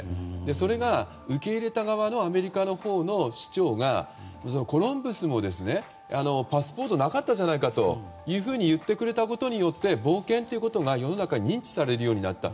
それが、受け入れた側のアメリカのほうの方がコロンブスもパスポートなかったじゃないかと言ってくれたことによって冒険ということが世の中に認知されるようになった。